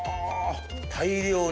大量に。